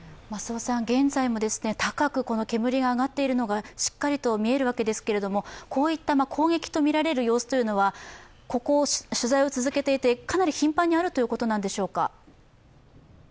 現在も高くこの煙が上がっているのがしっかりと見えるわけですがこういった攻撃とみられる様子というのは、取材を続けていてかなり頻繁にあるということなんでしょうか？